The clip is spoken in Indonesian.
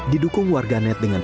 didukung warganet dengan